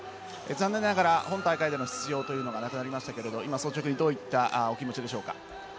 残念ながら今大会での出場がなくなりましたが今、率直にどういった気持ちでしょうか。